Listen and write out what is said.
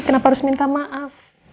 emang kamu harus minta maaf